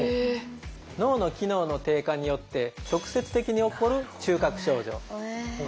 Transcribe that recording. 脳の機能の低下によって直接的に起こる中核症状。